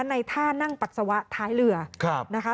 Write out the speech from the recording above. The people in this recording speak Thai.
ในท่านั่งปัสสาวะท้ายเรือนะคะ